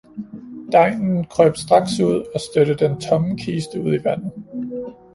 Degnen krøb straks ud og stødte den tomme kiste ud i vandet.